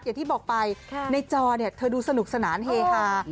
อย่างที่บอกไปในจอเนี่ยเธอดูสนุกสนานเฮฮา